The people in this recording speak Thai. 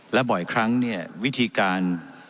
และบ่อยครั้งเนี่ยวิธีการ